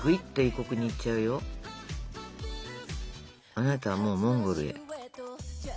あなたはもうモンゴルへ。